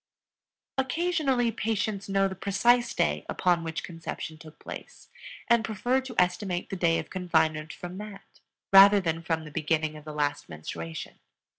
Occasionally patients know the precise day upon which conception took place, and prefer to estimate the day of confinement from that rather than from the beginning of the last menstruation.